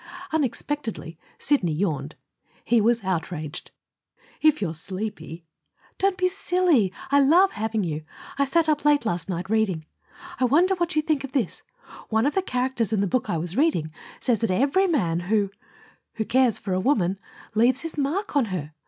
Unexpectedly, Sidney yawned. He was outraged. "If you're sleepy " "Don't be silly. I love having you. I sat up late last night, reading. I wonder what you think of this: one of the characters in the book I was reading says that every man who who cares for a woman leaves his mark on her!